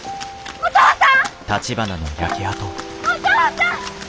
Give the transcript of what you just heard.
お父さん！